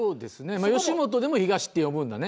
吉本でも、東って呼ぶんだね。